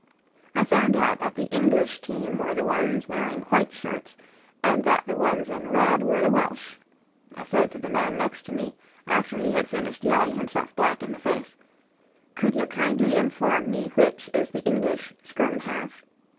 I found out that the English team were the ones wearing white shirts, and that the ones in red were the Welsh. I said to the man next to me, after he had finished yelling himself black in the face, "Could you kindly inform me which is the English scrum half?"